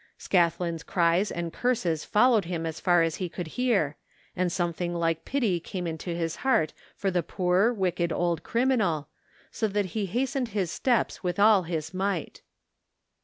Scathlin's cries and curses followed him as far as he could hear, and something like pity came into his heart for the pcidr, wicked old criminal, so that he hastened his steps with all his might.